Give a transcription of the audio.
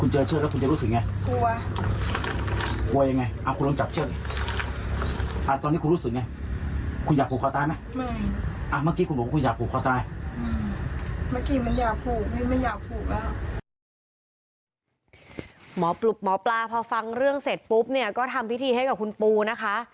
หมอปลาพอฟังเรื่องเสร็จปุ๊บเนี่ยก็ทำพิธีให้กับคุณปูนะคะ